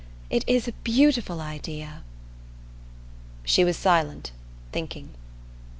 It is a beautiful idea!" She was silent, thinking.